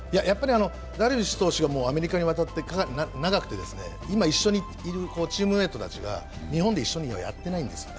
ダルビッシュ投手がアメリカに渡ってかなり長くて今一緒にいるチームメートたちが日本では一緒にやってないんですよね。